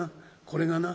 これがな